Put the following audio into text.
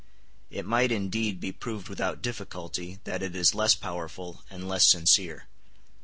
It might, indeed, be proved without difficulty that it is less powerful and less sincere.